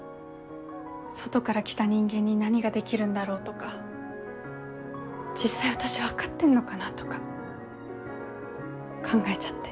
外から来た人間に何ができるんだろうとか実際私分かってんのかなとか考えちゃって。